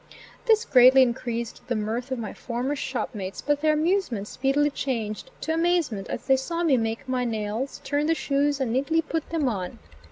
This greatly increased the mirth of my former shopmates; but their amusement speedily changed to amazement as they saw me make my nails, turn the shoes and neatly put them on.